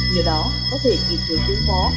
nhờ đó có thể kỳ thường tương phó